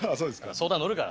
相談乗るから。